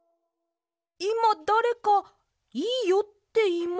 いまだれか「いいよ」っていいました？